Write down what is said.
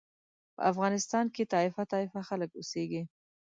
په افغانستان کې طایفه طایفه خلک اوسېږي.